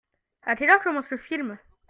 À quelle heure commence le film ?